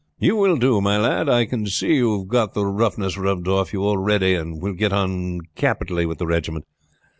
"You will do, my lad. I can see you have got the roughness rubbed off you already, and will get on capitally with the regiment.